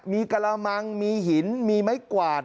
มีกระมังมีหินมีไม้กวาด